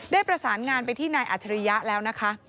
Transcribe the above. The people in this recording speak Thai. ได้ประสานงานไปที่นายอัจฉริยะแล้วนะคะ